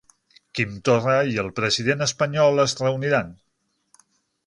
Quim Torra i el president espanyol es reuniran